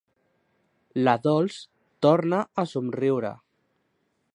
La Dols torna a somriure.